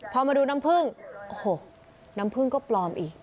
พอมาดูน้ำผึ้งโอ้โหน้ำผึ้งก็ปลอมอีก